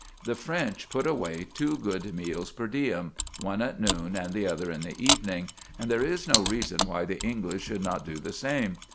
The French put away two good meals per diem, one at noon and the other in the evening, and there is no reason why the English should not do the same.